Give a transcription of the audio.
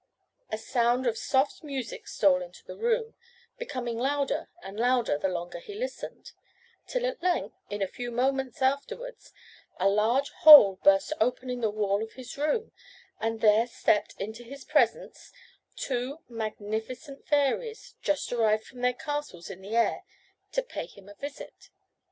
A sound of soft music stole into the room, becoming louder and louder the longer he listened, till at length, in a few moments afterwards, a large hole burst open in the wall of his room, and there stepped into his presence two magnificent fairies, just arrived from their castles in the air, to pay him a visit.